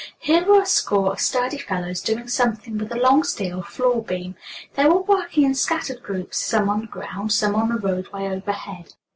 Here were a score of sturdy fellows doing something with a long steel floor beam. They were working in scattered groups, some on the ground, some on the roadway overhead.